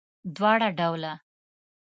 دواړه ډوله